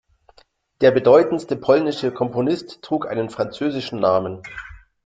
Der bedeutendste polnische Komponist trug einen französischen Namen.